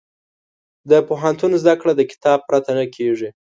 د پوهنتون زده کړه د کتاب پرته نه کېږي.